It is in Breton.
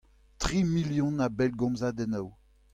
Tri million a bellgomzadennoù.